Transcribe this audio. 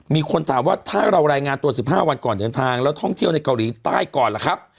มีคนถามว่าถ้าเรารายงานตัว๑๕วันก่อนเดินทางแล้วท่องเที่ยวในเกาหลีใต้ก่อนล่ะครับ